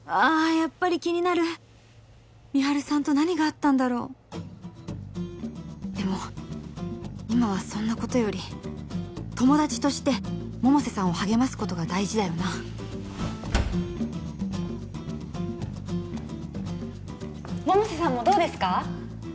やっぱり気になる美晴さんと何があったんだろうでも今はそんなことより友達として百瀬さんを励ますことが大事だよな百瀬さんもどうですか？